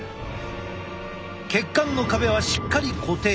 血管の壁はしっかり固定。